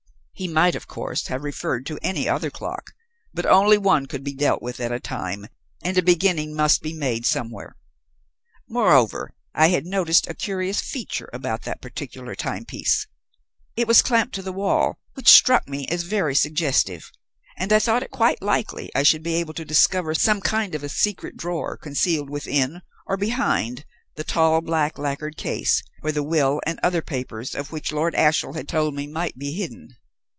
He might, of course, have referred to any other clock, but only one could be dealt with at a time, and a beginning must be made somewhere. Moreover, I had noticed a curious feature about that particular timepiece. It was clamped to the wall, which struck me as very suggestive; and I thought it quite likely I should be able to discover some kind of secret drawer concealed within, or behind, the tall black lacquered case, where the will and other papers of which Lord Ashiel had told me might be hidden.